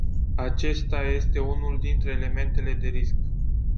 Acesta este unul dintre elementele de risc.